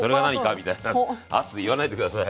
みたいな圧言わないで下さい。